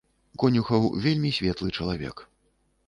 Конюхаў вельмі светлы чалавек.